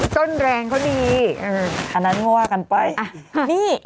ต้นแรงเขานี่